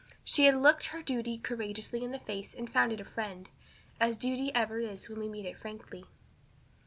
She had looked her duty courageously in the face and found it a friend as duty ever is when we meet it frankly.